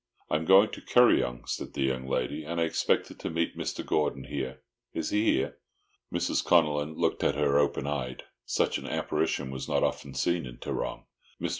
"I am going to Kuryong," said the young lady, "and I expected to meet Mr. Gordon here. Is he here?" Mrs. Connellan looked at her open eyed. Such an apparition was not often seen in Tarrong. Mr.